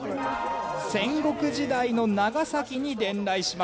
戦国時代の長崎に伝来しました。